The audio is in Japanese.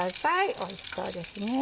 おいしそうですね。